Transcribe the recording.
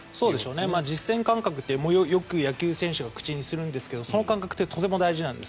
実戦感覚ってよく野球選手が口にするんですがその感覚ってとても大事なんです。